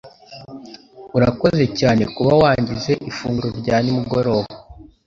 Urakoze cyane kuba wangize ifunguro rya nimugoroba